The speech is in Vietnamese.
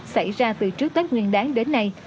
xảy ra từ trước tết nguyên đáng đến nay